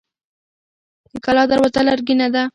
د کلا دروازه لرګینه ده.